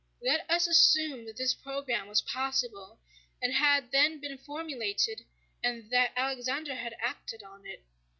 Let us assume that this program was possible and had then been formulated, and that Alexander had acted on it.